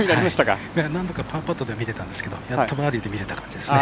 何度かパーパットでは見れたんですがやっとバーディーで見れた感じですね。